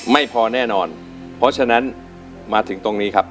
ไม่พอแน่นอนเพราะฉะนั้นมาถึงตรงนี้ครับ